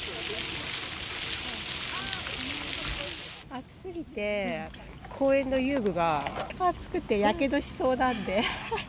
暑すぎて、公園の遊具が熱くてやけどしそうなんで。